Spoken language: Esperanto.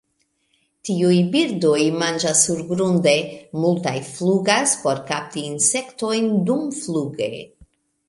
Tiuj birdoj manĝas surgrunde, multaj flugas por kapti insektojn dumfluge.